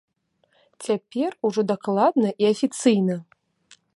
Цяпер ужо дакладна і афіцыйна!